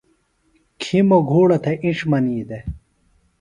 کھیموۡ گھوڑہ تھےۡ اِنڇ منی دےۡ